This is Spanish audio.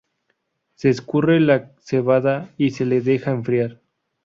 Se escurre la cebada y se la deja enfriar.